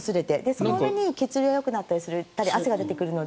その上に血流がよくなったりして汗が出たりするので。